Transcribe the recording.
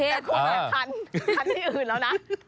แต่พูดแบบคันคันที่อื่นแล้วนะ